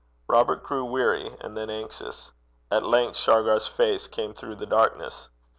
Robert grew weary, and then anxious. At length Shargar's face came through the darkness.